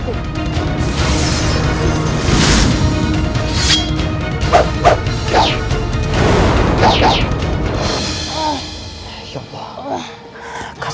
aku akan mencari kebaikanmu